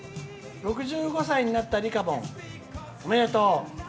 ６５歳になった、りかぼんおめでとう。